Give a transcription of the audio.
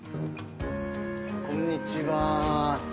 こんにちは。